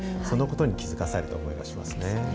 そのことに気付かされた思いがしますね。